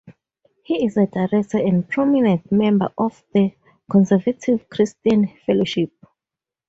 He is a director and prominent member of the Conservative Christian Fellowship.